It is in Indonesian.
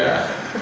ini dia kaki kecil